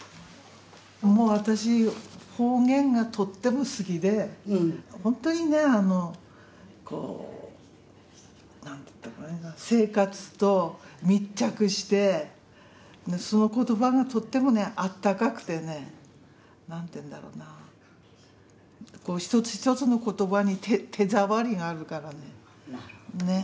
もう私方言がとっても好きで本当にねこう何とも言えない生活と密着してその言葉がとってもね温かくてね何て言うんだろうな一つ一つの言葉に手触りがあるからね。